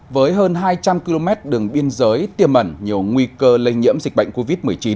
với hơn hai trăm linh km đường biên giới tiềm ẩn nhiều nguy cơ lây nhiễm dịch bệnh covid một mươi chín